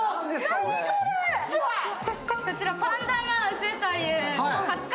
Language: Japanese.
こちらパンダマウスというハツカ